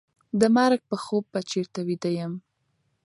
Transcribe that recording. د مرګ په خوب به چېرته ویده یم